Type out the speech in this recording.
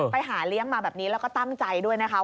ไปหาเลี้ยงมาแบบนี้แล้วก็ตั้งใจด้วยนะคะ